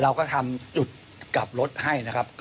เราก็ทำจุดกลับรถให้นะครับ